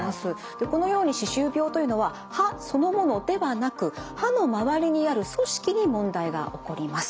でこのように歯周病というのは歯そのものではなく歯の周りにある組織に問題が起こります。